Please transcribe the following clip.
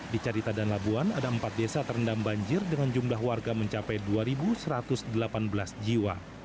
di carita dan labuan ada empat desa terendam banjir dengan jumlah warga mencapai dua satu ratus delapan belas jiwa